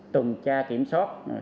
tuần tra kiểm soát khép kính địa bàn